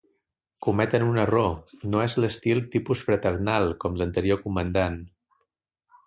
Cometen un error, no és l'estil tipus fraternal, com l’anterior comandant.